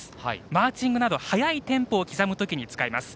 マーチングなど速いテンポを刻む時に使います。